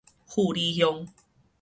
富里鄉